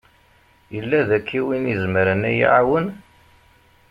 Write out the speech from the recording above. Yella daki win i izemren ad yi-iɛawen?